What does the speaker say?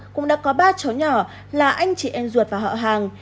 cũng đã có ba cháu nhỏ là anh chị em ruột và họ hàng